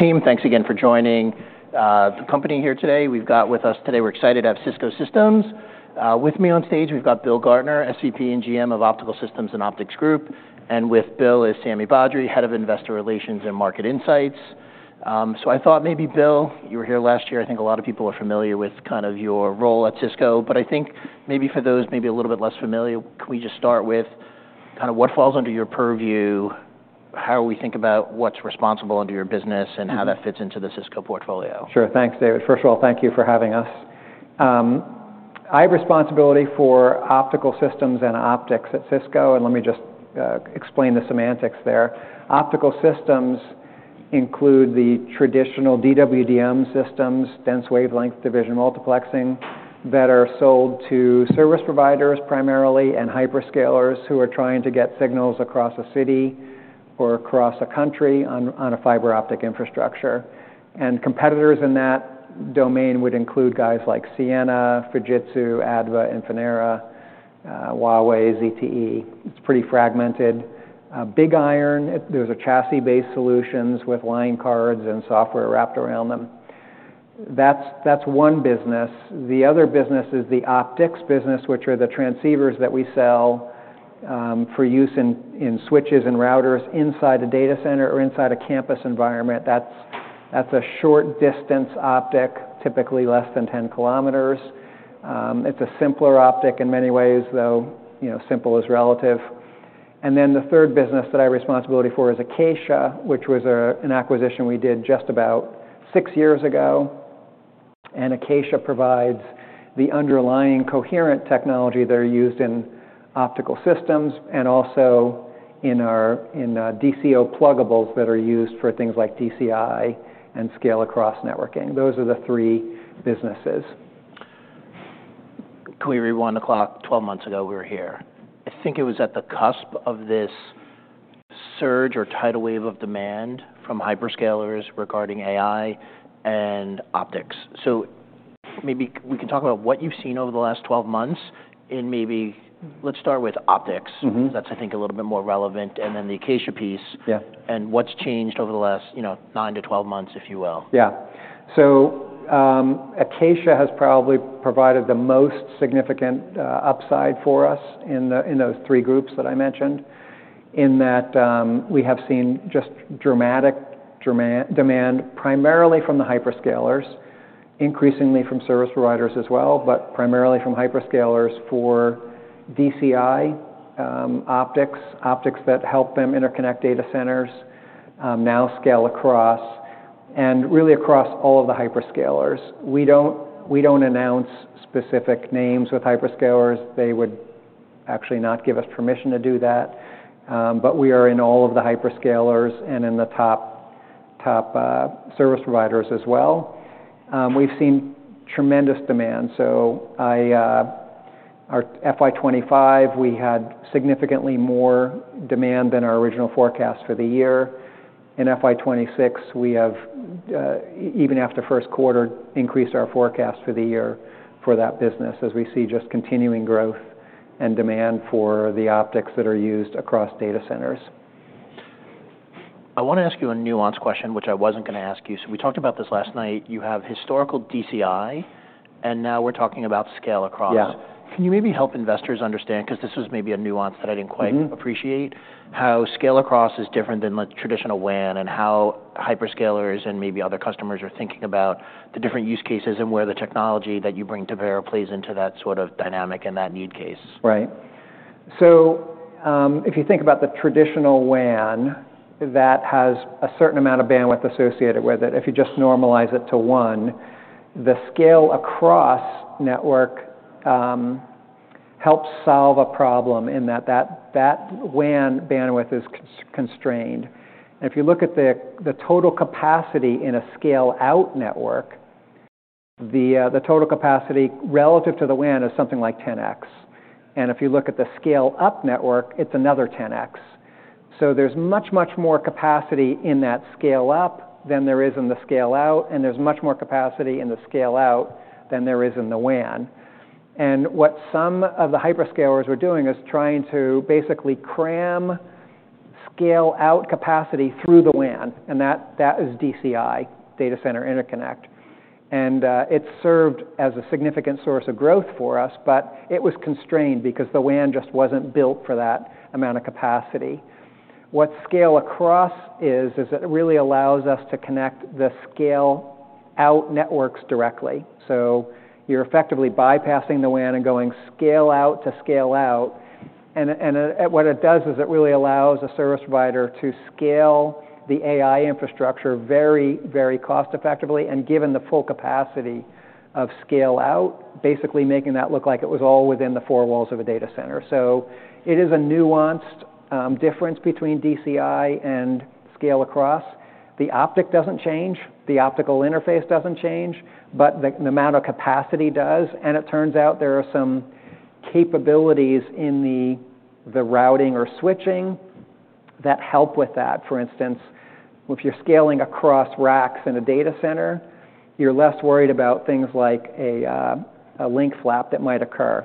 Team, thanks again for joining the company here today. We've got with us today, we're excited to have Cisco Systems with me on stage, we've got Bill Gartner, SVP and GM of Optical Systems and Optics Group. And with Bill is Sami Badri, Head of Investor Relations and Market Insights. I thought maybe, Bill, you were here last year. I think a lot of people are familiar with kind of your role at Cisco. But I think maybe for those maybe a little bit less familiar, can we just start with kind of what falls under your purview, how we think about what's responsible under your business, and how that fits into the Cisco portfolio? Sure. Thanks, David. First of all, thank you for having us. I have responsibility for optical systems and optics at Cisco. And let me just explain the semantics there. Optical systems include the traditional DWDM systems, dense wavelength division multiplexing, that are sold to service providers primarily and hyperscalers who are trying to get signals across a city or across a country on a fiber optic infrastructure. And competitors in that domain would include guys like Ciena, Fujitsu, ADVA, Infinera, Huawei, ZTE. It's pretty fragmented. Big Iron, there's chassis-based solutions with line cards and software wrapped around them. That's one business. The other business is the optics business, which are the transceivers that we sell for use in switches and routers inside a data center or inside a campus environment. That's a short-distance optic, typically less than 10 km. It's a simpler optic in many ways, though, you know, simple is relative. And then the third business that I have responsibility for is Acacia, which was an acquisition we did just about six years ago. And Acacia provides the underlying coherent technology that are used in optical systems and also in our DCO pluggables that are used for things like DCI and scale across networking. Those are the three businesses. Clearly, one o'clock, 12 months ago, we were here. I think it was at the cusp of this surge or tidal wave of demand from hyperscalers regarding AI and optics. So maybe we can talk about what you've seen over the last 12 months. In maybe let's start with optics. Mm-hmm. 'Cause that's, I think, a little bit more relevant. And then the Acacia piece. Yeah. What's changed over the last, you know, nine to 12 months, if you will? Yeah. So, Acacia has probably provided the most significant upside for us in those three groups that I mentioned, in that we have seen just dramatic demand primarily from the hyperscalers, increasingly from service providers as well, but primarily from hyperscalers for DCI optics that help them interconnect data centers, to scale across, and really across all of the hyperscalers. We don't announce specific names with hyperscalers. They would actually not give us permission to do that. But we are in all of the hyperscalers and in the top service providers as well. We've seen tremendous demand. So, our FY 2025, we had significantly more demand than our original forecast for the year. In FY 2026, we have, even after first quarter, increased our forecast for the year for that business, as we see just continuing growth and demand for the optics that are used across data centers. I wanna ask you a nuanced question, which I wasn't gonna ask you so we talked about this last night. You have historical DCI, and now we're talking about scale across. Yeah. Can you maybe help investors understand, 'cause this was maybe a nuance that I didn't quite? Mm-hmm. Appreciate how scale across is different than, like, traditional WAN and how hyperscalers and maybe other customers are thinking about the different use cases and where the technology that you bring to bear plays into that sort of dynamic and that use case? Right. So, if you think about the traditional WAN, that has a certain amount of bandwidth associated with it. If you just normalize it to one, the scale across network helps solve a problem in that the WAN bandwidth is constrained, and if you look at the total capacity in a scale-out network, the total capacity relative to the WAN is something like 10x, and if you look at the scale-up network, it's another 10x, so there's much, much more capacity in that scale-up than there is in the scale-out, and there's much more capacity in the scale-out than there is in the WAN, and what some of the hyperscalers were doing is trying to basically cram scale-out capacity through the WAN, and that is DCI, data center interconnect. It served as a significant source of growth for us, but it was constrained because the WAN just wasn't built for that amount of capacity. What scale across is, it really allows us to connect the scale-out networks directly. So you're effectively bypassing the WAN and going scale-out to scale-out. And what it does is it really allows a service provider to scale the AI infrastructure very, very cost-effectively and given the full capacity of scale-out, basically making that look like it was all within the four walls of a data center. So it is a nuanced difference between DCI and scale across. The optic doesn't change. The optical interface doesn't change, but the amount of capacity does. And it turns out there are some capabilities in the routing or switching that help with that. For instance, if you're scaling across racks in a data center, you're less worried about things like a link flap that might occur.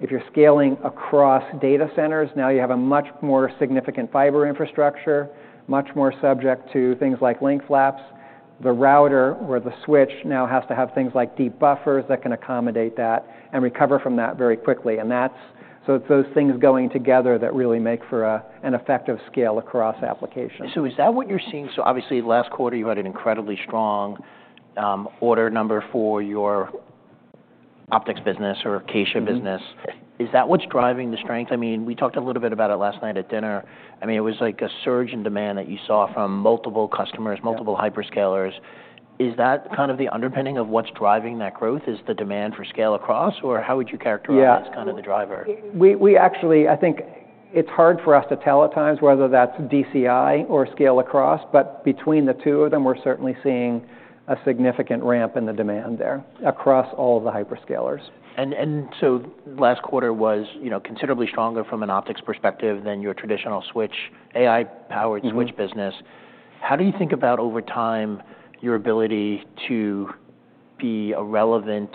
If you're scaling across data centers, now you have a much more significant fiber infrastructure, much more subject to things like link flaps. The router or the switch now has to have things like deep buffers that can accommodate that and recover from that very quickly. And that's so it's those things going together that really make for an effective scale across applications. So is that what you're seeing? So obviously, last quarter, you had an incredibly strong order number for your optics business or Acacia business. Is that what's driving the strength? I mean, we talked a little bit about it last night at dinner. I mean, it was like a surge in demand that you saw from multiple customers, multiple hyperscalers. Is that kind of the underpinning of what's driving that growth? Is the demand for scale across? Or how would you characterize? Yeah. Kind of the driver? We actually, I think it's hard for us to tell at times whether that's DCI or scale across, but between the two of them, we're certainly seeing a significant ramp in the demand there across all of the hyperscalers. So last quarter was, you know, considerably stronger from an optics perspective than your traditional switch, AI-powered switch business. Mm-hmm. How do you think about over time your ability to be a relevant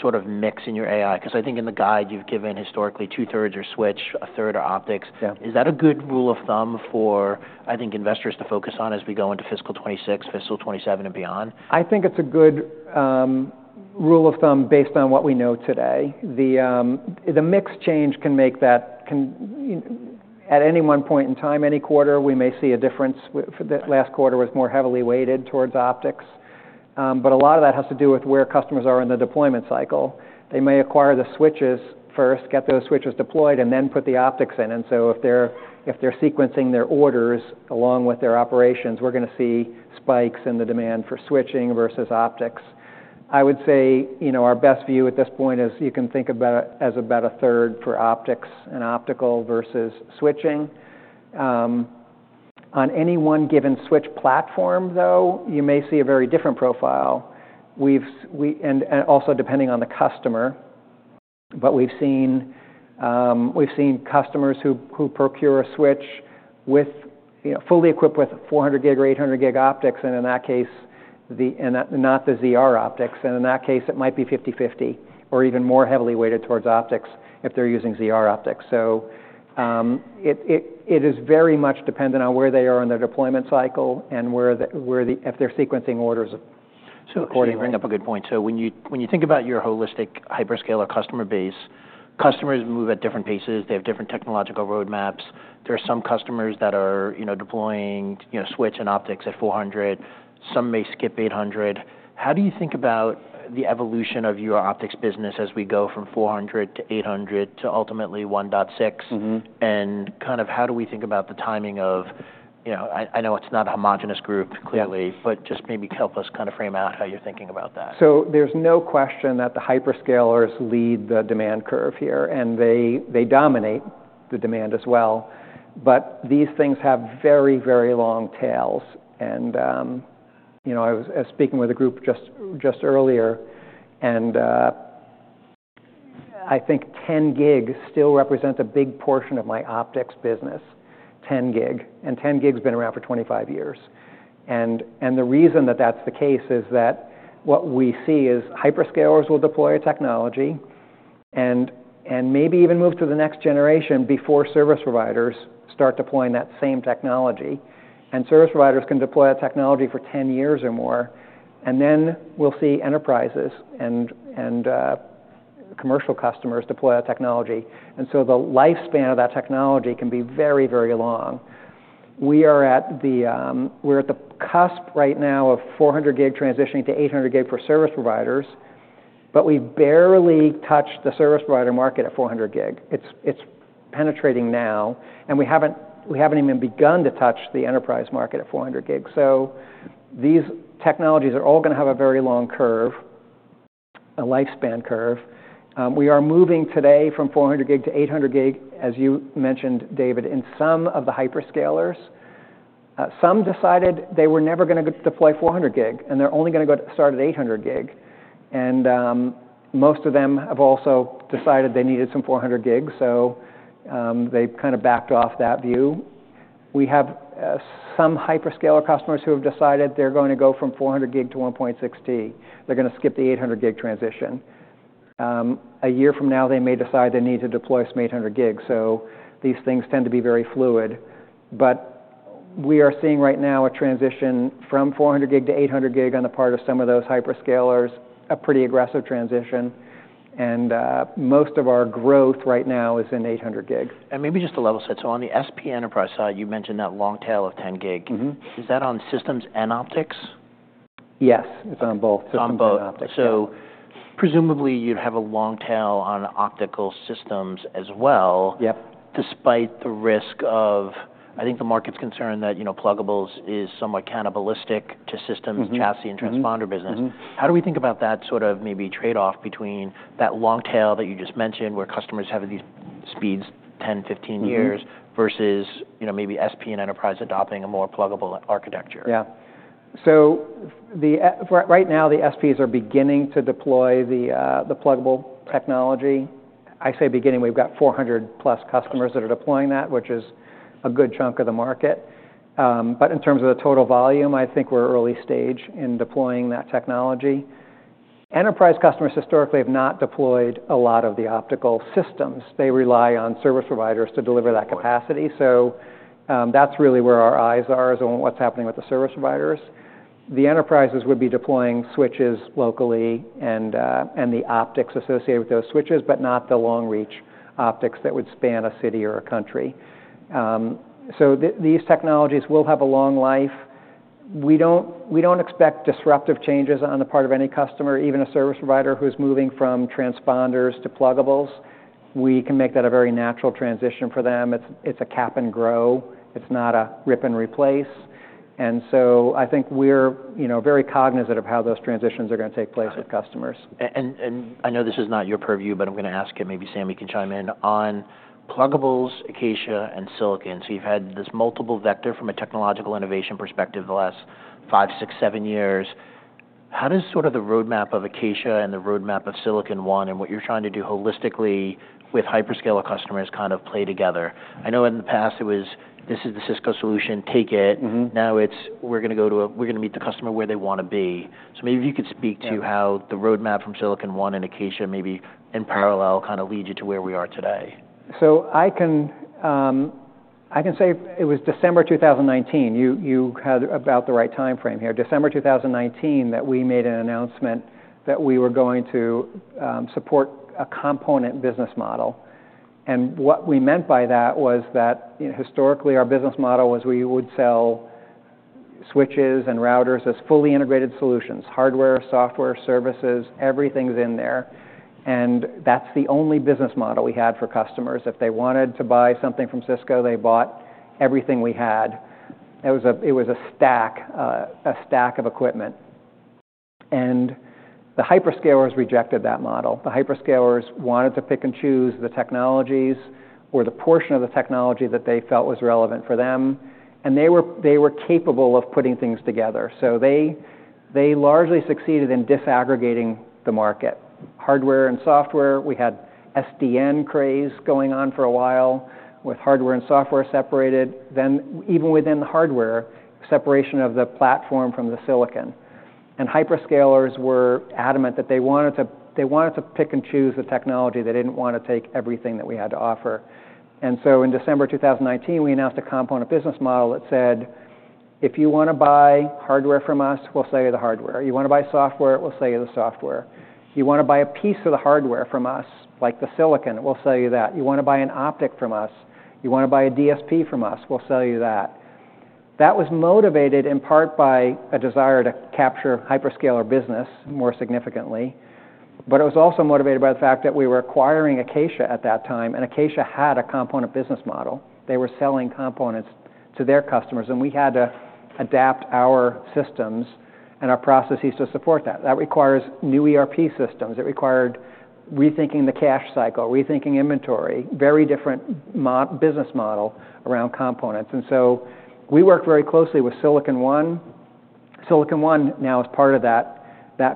sort of mix in your AI? 'Cause I think in the guide you've given historically, 2/3 are switch, 1/3 are optics. Yeah. Is that a good rule of thumb for, I think, investors to focus on as we go into fiscal 2026, fiscal 2027, and beyond? I think it's a good rule of thumb based on what we know today. The mix can change that, you know, at any one point in time, any quarter, we may see a difference. The last quarter was more heavily weighted towards optics, but a lot of that has to do with where customers are in the deployment cycle. They may acquire the switches first, get those switches deployed, and then put the optics in. And so if they're sequencing their orders along with their operations, we're gonna see spikes in the demand for switching versus optics. I would say, you know, our best view at this point is you can think about it as about 1/3 for optics and optical versus switching. On any one given switch platform, though, you may see a very different profile. We and also depending on the customer. But we've seen customers who procure a switch with, you know, fully equipped with 400 Gbps or 800 Gbps optics, and in that case, not the ZR optics. In that case, it might be 50/50 or even more heavily weighted towards optics if they're using ZR optics. So, it is very much dependent on where they are in their deployment cycle and whether they're sequencing orders accordingly. So you bring up a good point. So when you think about your holistic hyperscaler customer base, customers move at different paces. They have different technological roadmaps. There are some customers that are, you know, deploying, you know, switch and optics at 400 Gbps. Some may skip 800 Gbps. How do you think about the evolution of your optics business as we go from 400 Gbps to 800 Gbps to ultimately 1.6T? Mm-hmm. Kind of, how do we think about the timing of, you know, I know it's not a homogeneous group, clearly, but just maybe help us kind of frame out how you're thinking about that. There's no question that the hyperscalers lead the demand curve here, and they dominate the demand as well. But these things have very, very long tails. And, you know, I was speaking with a group just earlier, and I think 10 Gbps still represents a big portion of my optics business, 10 Gbps. And 10 Gbps's been around for 25 years. And the reason that that's the case is that what we see is hyperscalers will deploy a technology and maybe even move to the next generation before service providers start deploying that same technology. And service providers can deploy a technology for 10 years or more, and then we'll see enterprises and commercial customers deploy that technology. And so the lifespan of that technology can be very, very long. We are at the, we're at the cusp right now of 400 Gbps transitioning to 800 Gbps for service providers, but we've barely touched the service provider market at 400 Gbps. It's, it's penetrating now, and we haven't, we haven't even begun to touch the enterprise market at 400 Gbps, so these technologies are all gonna have a very long curve, a lifespan curve. We are moving today from 400 Gbps to 800 Gbps, as you mentioned, David, in some of the hyperscalers. Some decided they were never gonna deploy 400 Gbps, and they're only gonna go start at 800 Gbps, and most of them have also decided they needed some 400 Gbps, so they've kind of backed off that view. We have some hyperscaler customers who have decided they're going to go from 400 Gbps to 1.6T. They're gonna skip the 800 Gbps transition. A year from now, they may decide they need to deploy some 800 Gbps. So these things tend to be very fluid. But we are seeing right now a transition from 400 Gbps to 800 Gbps on the part of some of those hyperscalers, a pretty aggressive transition. And most of our growth right now is in 800 Gbps. And maybe just to level set, so on the SP enterprise side, you mentioned that long tail of 10 Gbps. Mm-hmm. Is that on systems and optics? Yes. It's on both systems and optics. On both. So presumably, you'd have a long tail on optical systems as well. Yep. Despite the risk of, I think the market's concern that, you know, pluggables is somewhat cannibalistic to systems. Mm-hmm. Chassis and transponder business. Mm-hmm. How do we think about that sort of maybe trade-off between that long tail that you just mentioned where customers have these speeds 10, 15 years versus, you know, maybe SP and enterprise adopting a more pluggable architecture? Yeah. So right now, the SPs are beginning to deploy the pluggable technology. I say beginning. We've got 400+ customers that are deploying that, which is a good chunk of the market. But in terms of the total volume, I think we're early stage in deploying that technology. Enterprise customers historically have not deployed a lot of the optical systems. They rely on service providers to deliver that capacity. So, that's really where our eyes are is on what's happening with the service providers. The enterprises would be deploying switches locally and the optics associated with those switches, but not the long-reach optics that would span a city or a country. So these technologies will have a long life. We don't expect disruptive changes on the part of any customer, even a service provider who's moving from transponders to pluggables. We can make that a very natural transition for them. It's a cap and grow. It's not a rip and replace. And so I think we're, you know, very cognizant of how those transitions are gonna take place with customers. I know this is not your purview, but I'm gonna ask it. Maybe Sami can chime in on pluggables, Acacia, and Silicon. So you've had this multiple vector from a technological innovation perspective the last five, six, seven years. How does sort of the roadmap of Acacia and the roadmap of Silicon One and what you're trying to do holistically with hyperscaler customers kind of play together? I know in the past it was, "This is the Cisco solution. Take it. Mm-hmm. Now it's, "We're gonna meet the customer where they wanna be." So maybe if you could speak to how the roadmap from Silicon One and Acacia maybe in parallel kind of leads you to where we are today. So I can say it was December 2019. You had about the right timeframe here. December 2019 that we made an announcement that we were going to support a component business model. And what we meant by that was that, you know, historically, our business model was we would sell switches and routers as fully integrated solutions, hardware, software, services, everything's in there. And that's the only business model we had for customers. If they wanted to buy something from Cisco, they bought everything we had. It was a stack of equipment. And the hyperscalers rejected that model. The hyperscalers wanted to pick and choose the technologies or the portion of the technology that they felt was relevant for them. And they were capable of putting things together. So they largely succeeded in disaggregating the market. Hardware and software, we had SDN craze going on for a while with hardware and software separated, then even within hardware, separation of the platform from the silicon. And hyperscalers were adamant that they wanted to, they wanted to pick and choose the technology. They didn't wanna take everything that we had to offer. And so in December 2019, we announced a component business model that said, "If you wanna buy hardware from us, we'll sell you the hardware. You wanna buy software, we'll sell you the software. You wanna buy a piece of the hardware from us, like the silicon, we'll sell you that. You wanna buy an optic from us, you wanna buy a DSP from us, we'll sell you that." That was motivated in part by a desire to capture hyperscaler business more significantly. But it was also motivated by the fact that we were acquiring Acacia at that time, and Acacia had a component business model. They were selling components to their customers, and we had to adapt our systems and our processes to support that. That requires new ERP systems. It required rethinking the cash cycle, rethinking inventory, very different business model around components. And so we worked very closely with Silicon One. Silicon One now is part of that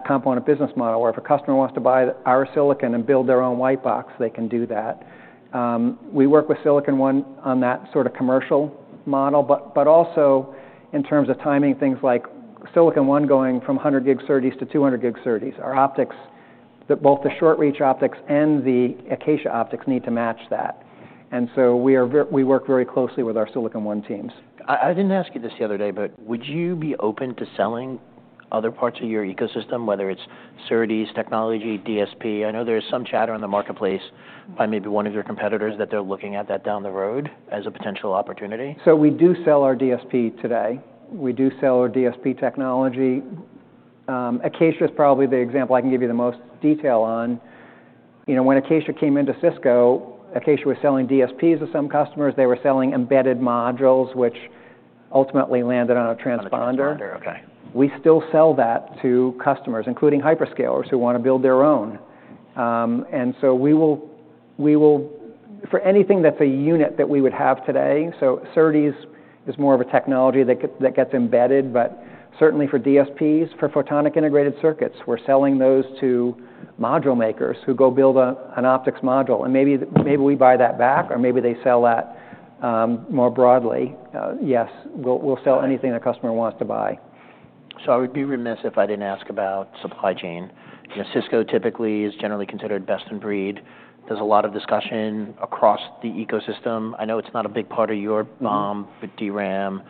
component business model where if a customer wants to buy our silicon and build their own white box, they can do that. We work with Silicon One on that sort of commercial model, but also in terms of timing, things like Silicon One going from 100 Gbps SerDes to 200 Gbps SerDes. Our optics, both the short-reach optics and the Acacia optics need to match that. We work very closely with our Silicon One teams. I didn't ask you this the other day, but would you be open to selling other parts of your ecosystem, whether it's SerDes, technology, DSP? I know there's some chatter in the marketplace by maybe one of your competitors that they're looking at that down the road as a potential opportunity. We do sell our DSP today. We do sell our DSP technology. Acacia's probably the example I can give you the most detail on. You know, when Acacia came into Cisco, Acacia was selling DSPs to some customers. They were selling embedded modules, which ultimately landed on a transponder. A transponder. Okay. We still sell that to customers, including hyperscalers who wanna build their own, and so we will, we will for anything that's a unit that we would have today. So SerDes is more of a technology that gets embedded, but certainly for DSPs, for photonic integrated circuits, we're selling those to module makers who go build an optics module. And maybe, maybe we buy that back, or maybe they sell that more broadly. Yes, we'll, we'll sell anything a customer wants to buy. So, I would be remiss if I didn't ask about supply chain. You know, Cisco typically is generally considered best in breed. There's a lot of discussion across the ecosystem. I know it's not a big part of your, but DRAM,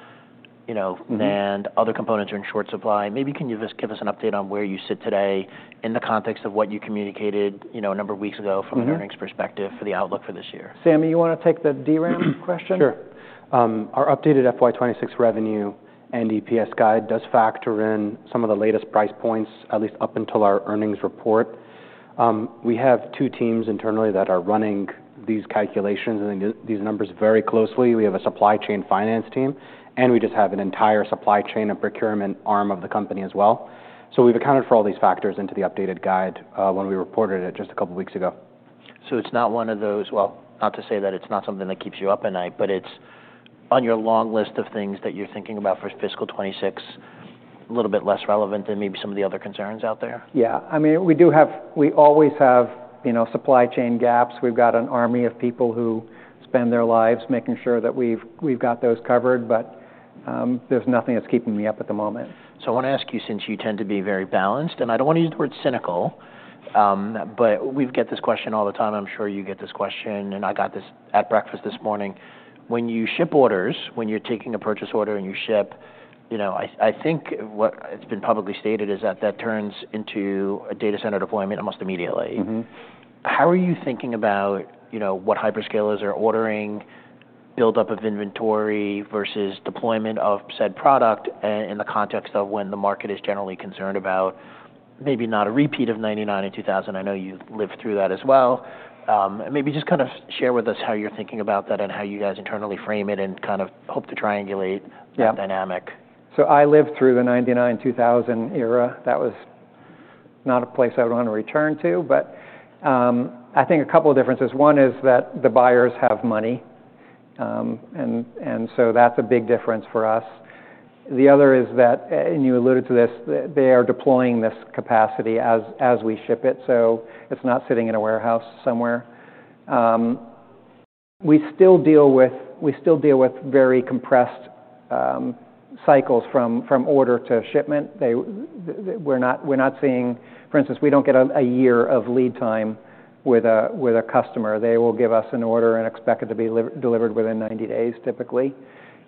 you know, and other components are in short supply. Maybe can you just give us an update on where you sit today in the context of what you communicated, you know, a number of weeks ago from an earnings perspective for the outlook for this year? Sami, you wanna take the DRAM question? Sure. Our updated FY 2026 revenue and EPS guide does factor in some of the latest price points, at least up until our earnings report. We have two teams internally that are running these calculations and these numbers very closely. We have a supply chain finance team, and we just have an entire supply chain and procurement arm of the company as well. So we've accounted for all these factors into the updated guide, when we reported it just a couple of weeks ago. So it's not one of those, well, not to say that it's not something that keeps you up at night, but it's on your long list of things that you're thinking about for fiscal 2026, a little bit less relevant than maybe some of the other concerns out there? Yeah. I mean, we do have, we always have, you know, supply chain gaps. We've got an army of people who spend their lives making sure that we've got those covered, but, there's nothing that's keeping me up at the moment. So I wanna ask you, since you tend to be very balanced, and I don't wanna use the word cynical, but we get this question all the time. I'm sure you get this question, and I got this at breakfast this morning. When you ship orders, when you're taking a purchase order and you ship, you know, I, I think what it's been publicly stated is that that turns into a data center deployment almost immediately. Mm-hmm. How are you thinking about, you know, what hyperscalers are ordering, buildup of inventory versus deployment of said product in the context of when the market is generally concerned about maybe not a repeat of 1999 and 2000? I know you've lived through that as well, and maybe just kind of share with us how you're thinking about that and how you guys internally frame it and kind of hope to triangulate that dynamic. Yeah. So I lived through the 1999, 2000 era. That was not a place I would wanna return to, but I think a couple of differences. One is that the buyers have money, and so that's a big difference for us. The other is that, and you alluded to this, they are deploying this capacity as we ship it, so it's not sitting in a warehouse somewhere. We still deal with very compressed cycles from order to shipment. We're not seeing, for instance, we don't get a year of lead time with a customer. They will give us an order and expect it to be delivered within 90 days typically.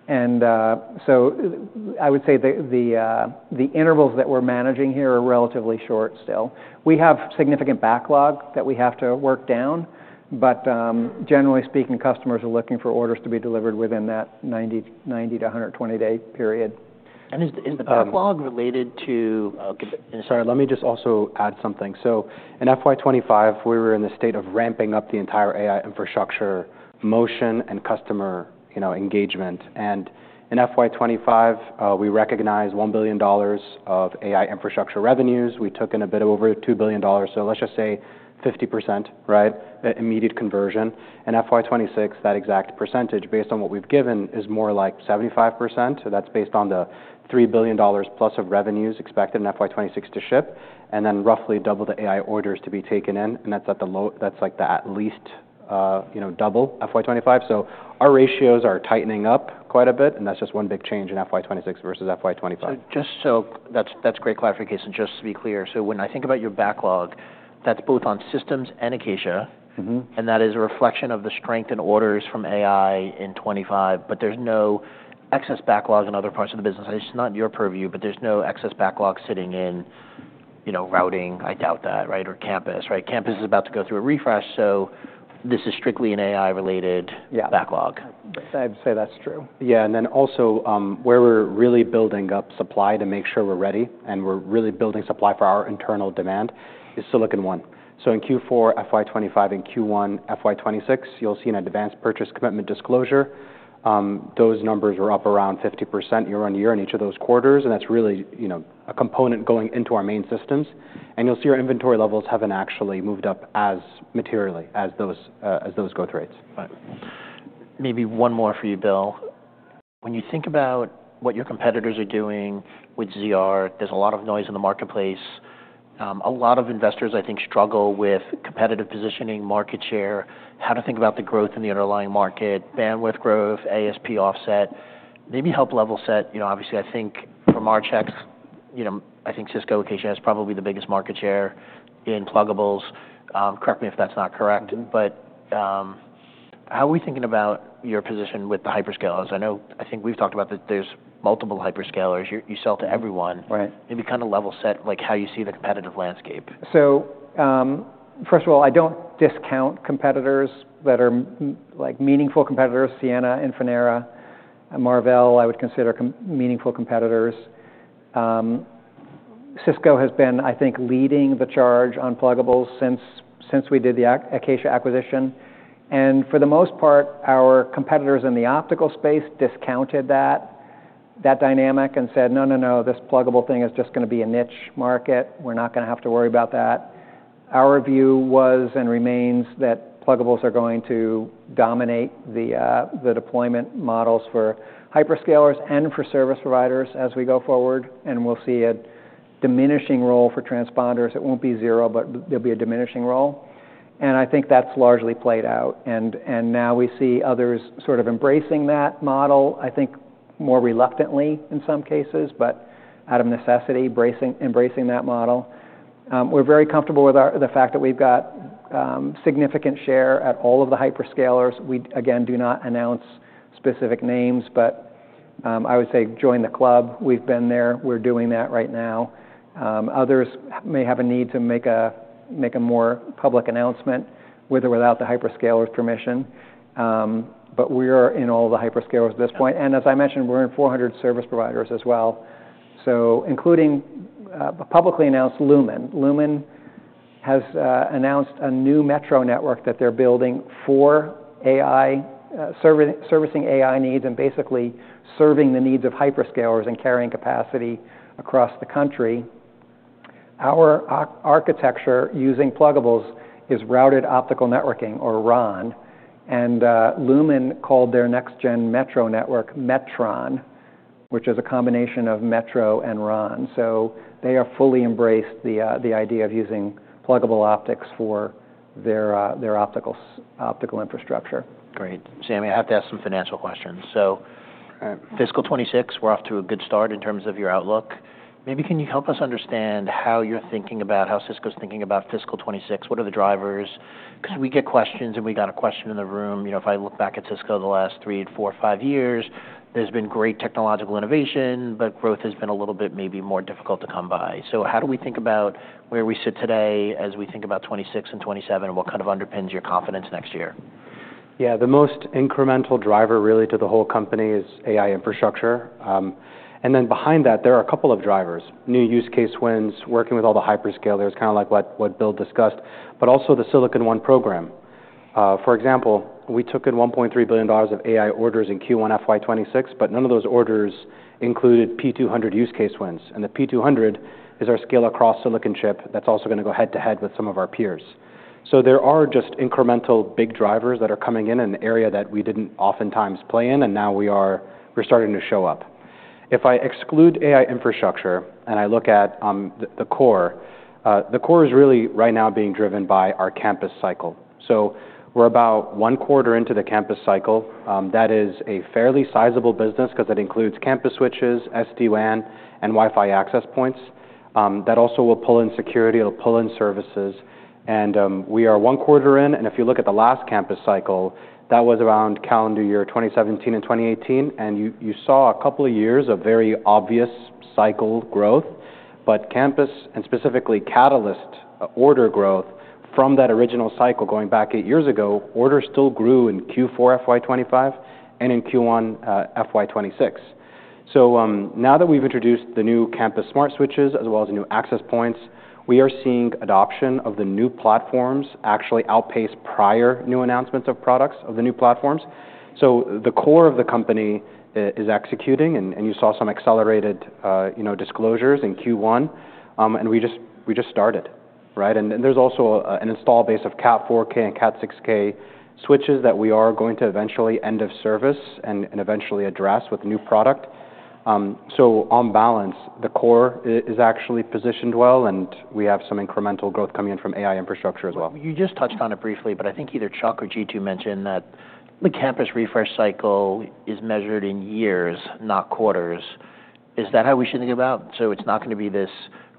So I would say the intervals that we're managing here are relatively short still. We have significant backlog that we have to work down, but, generally speaking, customers are looking for orders to be delivered within that 90 days-120 days period. And is the backlog related to? Sorry, let me just also add something. So in FY 2025, we were in the state of ramping up the entire AI infrastructure motion and customer, you know, engagement. And in FY 2025, we recognized $1 billion of AI infrastructure revenues. We took in a bit over $2 billion. So let's just say 50%, right, immediate conversion. In FY 2026, that exact percentage based on what we've given is more like 75%. So that's based on the $3 billion+ of revenues expected in FY 2026 to ship, and then roughly double the AI orders to be taken in. And that's at the low, that's like the at least, you know, double FY 2025. So our ratios are tightening up quite a bit, and that's just one big change in FY 2026 versus FY 2025. So just so that's great clarification. Just to be clear, so when I think about your backlog, that's both on systems and Acacia. Mm-hmm. And that is a reflection of the strength in orders from AI in 2025, but there's no excess backlog in other parts of the business. It's not your purview, but there's no excess backlog sitting in, you know, routing. I doubt that, right? Or campus, right? Campus is about to go through a refresh, so this is strictly an AI-related backlog. Yeah. I'd say that's true. Yeah. And then also, where we're really building up supply to make sure we're ready and we're really building supply for our internal demand is Silicon One. So in Q4, FY 2025, and Q1, FY 2026, you'll see an advanced purchase commitment disclosure. Those numbers were up around 50% year on year in each of those quarters, and that's really, you know, a component going into our main systems. And you'll see our inventory levels haven't actually moved up as materially as those, as those growth rates. Right. Maybe one more for you, Bill. When you think about what your competitors are doing with ZR, there's a lot of noise in the marketplace. A lot of investors, I think, struggle with competitive positioning, market share, how to think about the growth in the underlying market, bandwidth growth, ASP offset, maybe help level set. You know, obviously, I think from our checks, you know, I think Cisco Acacia has probably the biggest market share in pluggables. Correct me if that's not correct, but, how are we thinking about your position with the hyperscalers? I know, I think we've talked about that there's multiple hyperscalers. You, you sell to everyone. Right. Maybe kind of level set, like how you see the competitive landscape. First of all, I don't discount competitors that are like meaningful competitors. Ciena and Infinera, Marvell, I would consider meaningful competitors. Cisco has been, I think, leading the charge on pluggables since we did the Acacia acquisition. And for the most part, our competitors in the optical space discounted that dynamic and said, "No, no, no, this pluggable thing is just gonna be a niche market. We're not gonna have to worry about that." Our view was and remains that pluggables are going to dominate the deployment models for hyperscalers and for service providers as we go forward. And we'll see a diminishing role for transponders. It won't be zero, but there'll be a diminishing role. And I think that's largely played out. And now we see others sort of embracing that model, I think more reluctantly in some cases, but out of necessity, embracing that model. We're very comfortable with our, the fact that we've got, significant share at all of the hyperscalers. We, again, do not announce specific names, but, I would say join the club. We've been there. We're doing that right now. Others may have a need to make a more public announcement with or without the hyperscalers' permission. But we are in all the hyperscalers at this point. And as I mentioned, we're in 400 service providers as well. So including, publicly announced Lumen. Lumen has announced a new metro network that they're building for AI, servicing AI needs and basically serving the needs of hyperscalers and carrying capacity across the country. Our architecture using pluggables is Routed Optical Networking or RON. Lumen called their next-gen metro network Metron, which is a combination of metro and RON. They have fully embraced the idea of using pluggable optics for their optical infrastructure. Great. Sami, I have to ask some financial questions. So fiscal 2026, we're off to a good start in terms of your outlook. Maybe can you help us understand how you're thinking about how Cisco's thinking about fiscal 2026? What are the drivers? 'Cause we get questions and we got a question in the room. You know, if I look back at Cisco the last three, four, five years, there's been great technological innovation, but growth has been a little bit maybe more difficult to come by. So how do we think about where we sit today as we think about 2026 and 2027 and what kind of underpins your confidence next year? Yeah. The most incremental driver really to the whole company is AI infrastructure. And then behind that, there are a couple of drivers: new use case wins, working with all the hyperscalers, kind of like what Bill discussed, but also the Silicon One program. For example, we took in $1.3 billion of AI orders in Q1 FY 2026, but none of those orders included P200 use case wins. And the P200 is our scale across silicon chip that's also gonna go head to head with some of our peers. So there are just incremental big drivers that are coming in in an area that we didn't oftentimes play in, and now we are, we're starting to show up. If I exclude AI infrastructure and I look at the core, the core is really right now being driven by our campus cycle. So we're about one quarter into the campus cycle. That is a fairly sizable business 'cause that includes campus switches, SD-WAN, and Wi-Fi access points. That also will pull in security. It'll pull in services. And we are one quarter in. And if you look at the last campus cycle, that was around calendar year 2017 and 2018. And you saw a couple of years of very obvious cycle growth, but campus, and specifically Catalyst order growth from that original cycle going back eight years ago, orders still grew in Q4 FY 2025 and in Q1 FY 2026. So now that we've introduced the new campus smart switches as well as the new access points, we are seeing adoption of the new platforms actually outpace prior new announcements of products of the new platforms. So, the core of the company is executing, and you saw some accelerated, you know, disclosures in Q1. We just started, right? And there's also an install base of Cat 4K and Cat 6K switches that we are going to eventually end of service and eventually address with a new product. So on balance, the core is actually positioned well, and we have some incremental growth coming in from AI infrastructure as well. You just touched on it briefly, but I think either Chuck or Jeetu mentioned that the campus refresh cycle is measured in years, not quarters. Is that how we should think about? So it's not gonna be this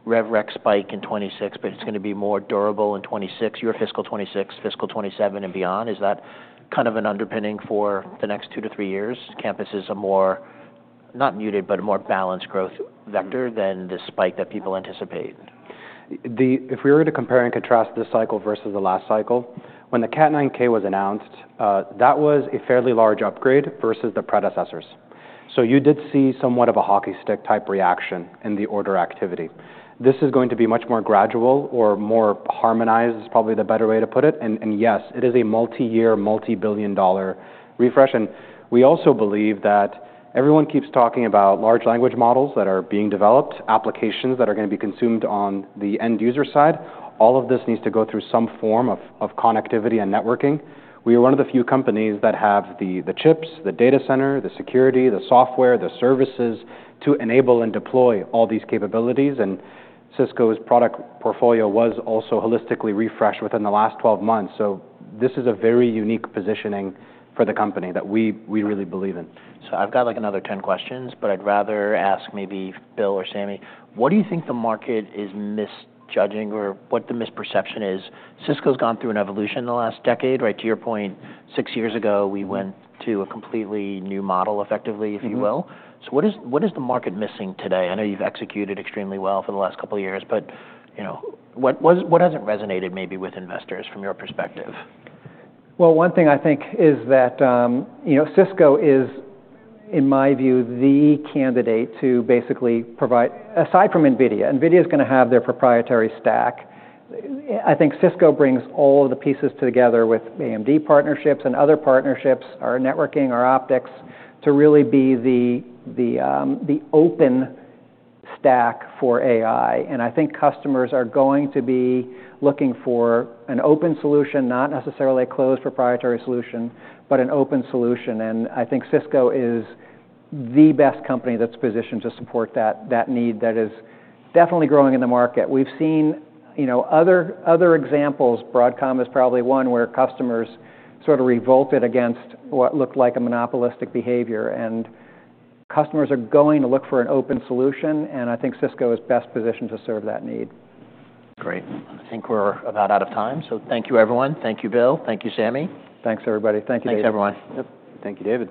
red-hot spike in 2026, but it's gonna be more durable in 2026, your fiscal 2026, fiscal 2027, and beyond. Is that kind of an underpinning for the next two to three years? Campus is a more, not muted, but a more balanced growth vector than the spike that people anticipate. If we were to compare and contrast this cycle versus the last cycle, when the Cat 9K was announced, that was a fairly large upgrade versus the predecessors. So you did see somewhat of a hockey stick type reaction in the order activity. This is going to be much more gradual or more harmonized is probably the better way to put it. And yes, it is a multi-year, multi-billion-dollar refresh. And we also believe that everyone keeps talking about large language models that are being developed, applications that are gonna be consumed on the end user side. All of this needs to go through some form of connectivity and networking. We are one of the few companies that have the chips, the data center, the security, the software, the services to enable and deploy all these capabilities. Cisco's product portfolio was also holistically refreshed within the last 12 months. So this is a very unique positioning for the company that we, we really believe in. So I've got like another 10 questions, but I'd rather ask maybe Bill or Sami, what do you think the market is misjudging or what the misperception is? Cisco's gone through an evolution in the last decade, right? To your point, six years ago, we went to a completely new model effectively, if you will. So what is the market missing today? I know you've executed extremely well for the last couple of years, but, you know, what hasn't resonated maybe with investors from your perspective? One thing I think is that, you know, Cisco is, in my view, the candidate to basically provide, aside from NVIDIA. NVIDIA is gonna have their proprietary stack. I think Cisco brings all of the pieces together with AMD partnerships and other partnerships, our networking, our optics, to really be the open stack for AI. And I think customers are going to be looking for an open solution, not necessarily a closed proprietary solution, but an open solution. And I think Cisco is the best company that's positioned to support that need that is definitely growing in the market. We've seen, you know, other examples. Broadcom is probably one where customers sort of revolted against what looked like a monopolistic behavior. And customers are going to look for an open solution, and I think Cisco is best positioned to serve that need. Great. I think we're about out of time. So thank you, everyone. Thank you, Bill. Thank you, Sami. Thanks, everybody. Thank you, David. Thanks, everyone. Yep. Thank you, David.